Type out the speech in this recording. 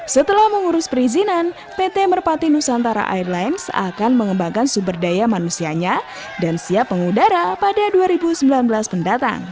setelah mengurus perizinan pt merpati nusantara airlines akan mengembangkan sumber daya manusianya dan siap mengudara pada dua ribu sembilan belas mendatang